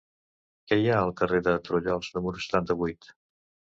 Què hi ha al carrer de Trullols número setanta-vuit?